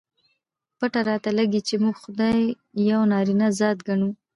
پته راته لګي، چې موږ خداى يو نارينه ذات ګڼو.